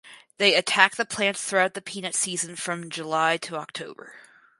They attack the plants throughout the peanut season from July to October.